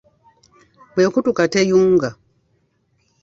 Bw'ekutuka teyunga.